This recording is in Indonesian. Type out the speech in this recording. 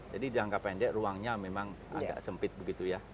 jadi jangka pendek ruangnya memang agak sempit begitu ya